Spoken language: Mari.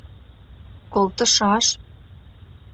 — Колтышаш!